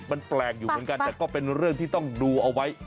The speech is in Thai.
มันแปลกอยู่เหมือนกันแต่ก็เป็นเรื่องที่ต้องดูเอาไว้